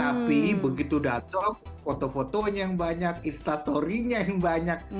tapi begitu datang foto fotonya yang banyak instastory nya yang banyak